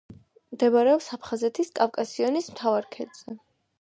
მდებარეობს აფხაზეთის კავკასიონის მთავარ ქედზე.